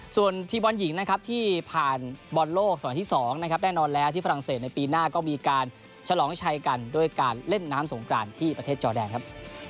ส่วนทีมบอลหญิงนะครับที่ผ่านบอลโลกสมัยที่๒นะครับแน่นอนแล้วที่ฝรั่งเศสในปีหน้าก็มีการฉลองชัยกันด้วยการเล่นน้ำสงกรานที่ประเทศจอแดนครับ